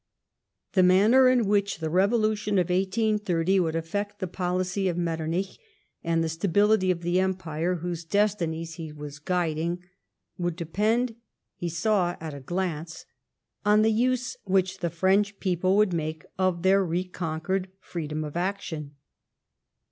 The manner in which the Revolution of 1830 would affect the policy of Metternich, and the stability of the Empire whose destinies he was guiding, would depend, he saw at a glance, on the use which the French people would make of their reconquered freedom of action.